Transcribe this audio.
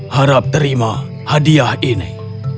harap terima hadiah ini